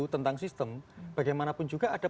tentang sistem bagaimanapun juga ada